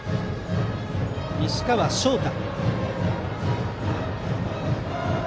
西川昇太。